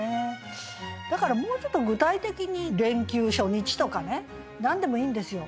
だからもうちょっと具体的に「連休初日」とかね何でもいいんですよ。